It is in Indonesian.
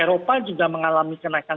eropa juga mengalami kemasyarakatan